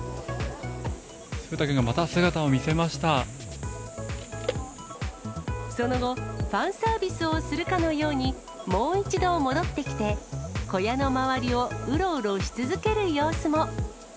風太くんがまた姿を見せましその後、ファンサービスをするかのように、もう一度戻ってきて、小屋の周りをうろうろし続ける様子も。